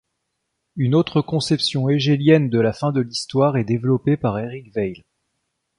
Une autre conception hégélienne de la fin de l'histoire est développée par Eric Weil.